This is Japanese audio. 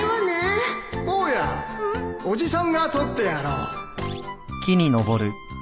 坊やおじさんが取ってやろう